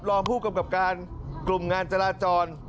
รองผู้กำกับการกลุ่มงานจราจร